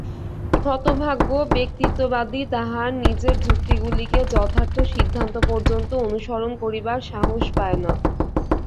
হতভাগ্য ব্যক্তিত্ববাদী তাহার নিজের যুক্তিগুলিকে যথার্থ সিদ্ধান্ত পর্যন্ত অনুসরণ করিবার সাহস পায় না।